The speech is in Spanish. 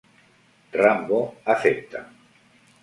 Rambo acepta.